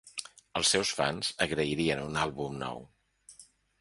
Els seus fans agrairien un àlbum nou.